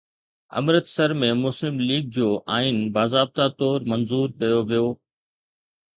امرتسر ۾ مسلم ليگ جو آئين باضابطه طور منظور ڪيو ويو